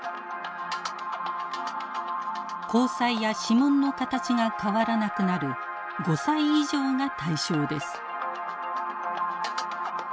虹彩や指紋の形が変わらなくなる５歳以上が対象です。